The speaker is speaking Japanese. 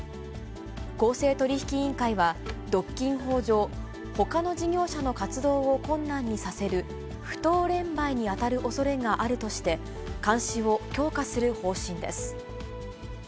公正取引委員会は、独禁法上、ほかの事業者の活動を困難にさせる不当廉売に当たるおそれがあるとして、監視を強化する方針です。